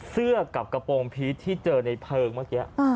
เสื้อกับกระโปรงพีชที่เจอในเพลิงเมื่อกี้